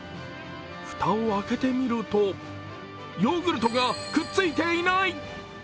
蓋を開けてみると、ヨーグルトがくっついていない。